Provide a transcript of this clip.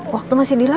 waktu masih dilap